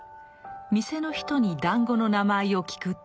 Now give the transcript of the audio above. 店の人に団子の名前を聞くと。